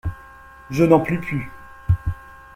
Je n'en puis plus.